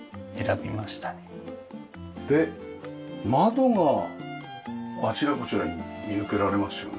で窓があちらこちらに見受けられますよね。